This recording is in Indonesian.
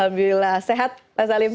alhamdulillah sehat pak salim